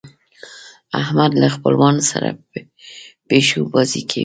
احمد له خپلوانو سره پيشو بازۍ کوي.